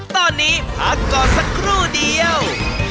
ตอนนี้พักก่อนสักครู่เดียว